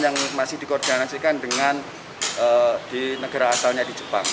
yang masih dikoordinasikan dengan di negara asalnya di jepang